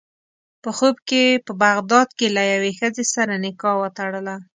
په خوب کې یې په بغداد کې له یوې ښځې سره نکاح وتړله.